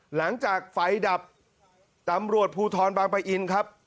หลังจากไฟดับตำรวจภูทรบางปะอินครับ